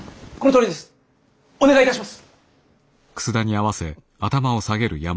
お願いいたします。